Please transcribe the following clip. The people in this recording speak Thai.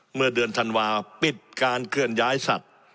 เมื่อเดือนธันวาปิดการเคลื่อนย้ายสัตว์